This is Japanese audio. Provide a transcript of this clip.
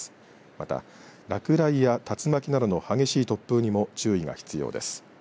また、落雷や竜巻などの激しい突風にも注意が必要です。